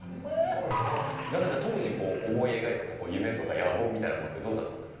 中西さん、当時思い描いてた夢とか野望みたいなものってどうだったんですか？